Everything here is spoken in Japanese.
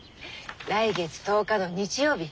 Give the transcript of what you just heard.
来月１０日の日曜日。